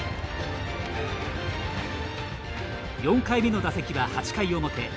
４回目の打席は、８回表。